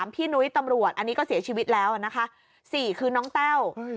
พี่นุ้ยตำรวจอันนี้ก็เสียชีวิตแล้วนะคะ๔คือน้องแต้ว